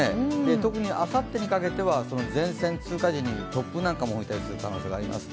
特にあさってにかけては前線通過時に突風などが吹いたりする可能性もあります。